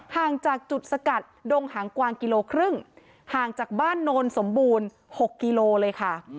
ห่างจากจุดสกัดดงหางกวางกิโลครึ่งห่างจากบ้านโนนสมบูรณ์๖กิโลเลยค่ะ